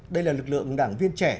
đây là lực lượng đảng viên trẻ